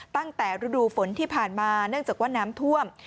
ตั้งแต่ฤดูฝนที่ผ่านมาเนื่องจากว่าน้ำท่วม